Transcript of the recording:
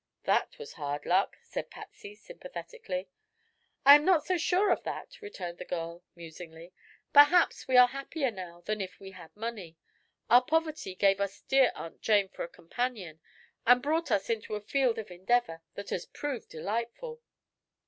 "That was hard luck," said Patsy sympathetically. "I am not so sure of that," returned the girl musingly. "Perhaps we are happier now than if we had money. Our poverty gave us dear Aunt Jane for a companion and brought us into a field of endeavor that has proved delightful."